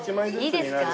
いいですか？